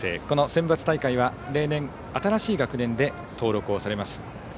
このセンバツ大会は例年、新しい学年で登録をされます。